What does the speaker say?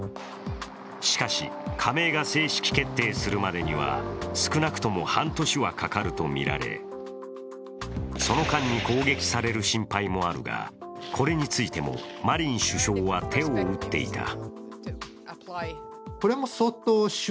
しかし、加盟が正式決定するまでには少なくとも半年はかかるとみられ、その間に攻撃される心配もあるが、これについてもマリン首相は手を打っていた。